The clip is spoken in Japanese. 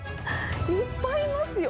いっぱいいますよ。